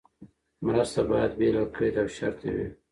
مرسته باید بې له قید او شرطه وي.